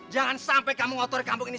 jangan sampai kamu ngotori kampung ini